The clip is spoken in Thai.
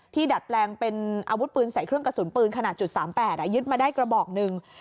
ดัดแปลงเป็นอาวุธปืนใส่เครื่องกระสุนปืนขนาด๓๘ยึดมาได้กระบอกหนึ่ง